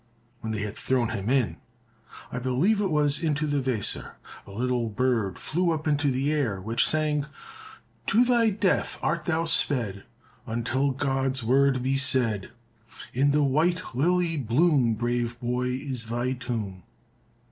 When they had thrown him in (I believe it was into the Weser) a little bird flew up into the air, which sang, "To thy death art thou sped, Until God's word be said. In the white lily bloom, Brave boy, is thy tomb."